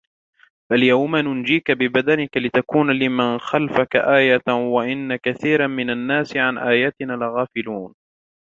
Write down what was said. فَالْيَوْمَ نُنَجِّيكَ بِبَدَنِكَ لِتَكُونَ لِمَنْ خَلْفَكَ آيَةً وَإِنَّ كَثِيرًا مِنَ النَّاسِ عَنْ آيَاتِنَا لَغَافِلُونَ